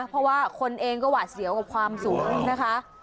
เพราะว่าคนเองก็หวาดเสียวกับความสูงนะคะ